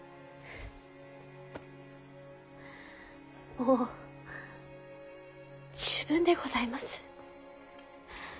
もう十分でございます。